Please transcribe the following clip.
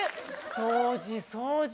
掃除掃除。